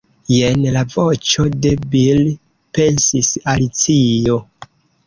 "Jen la voĉo de Bil," pensis Alicio.